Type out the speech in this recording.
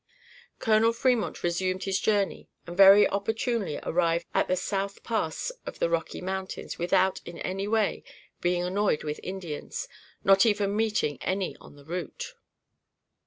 Colonel Fremont resumed his journey, and very opportunely arrived at the South Pass of the Rocky Mountains without, in any way, being annoyed with Indians, not even meeting any on the route.